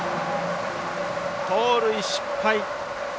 盗塁失敗。